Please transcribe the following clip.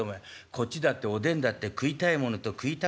こっちだっておでんだって食いたいものと食いたくないものあんだ。